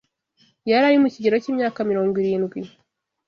Yari ari mu kigero cy’imyaka mirongwirindwi